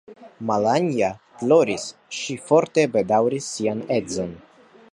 Malanja ploris; ŝi forte bedaŭris sian edzon.